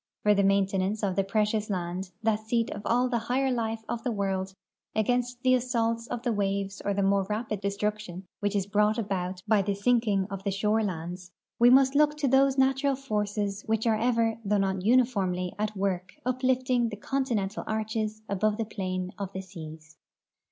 For the maintenance of the precious land, that scat of all the higlier life of the world, against the assaults of the waves or the more rapid destruction which is hroiight about by the down 336 THE ECONOMIC ASPECTS OF SOIL EROSION sinking of the shore lands, we must look to those natural forces which are ever, though not uniformly, at work uplifting the con tinental arches above the plane of the seas.